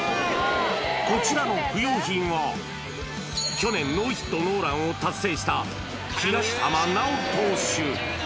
こちらの不用品は、去年、ノーヒットノーランを達成した東浜巨投手。